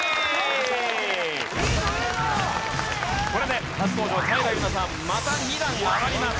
これで初登場平祐奈さんまた２段上がります。